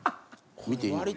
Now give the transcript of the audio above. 見ていいの？